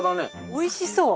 おいしそう。